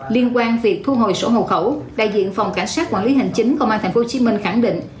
liên quan việc thu hồi sổ hộ khẩu đại diện phòng cảnh sát quản lý hành chính công an tp hcm khẳng định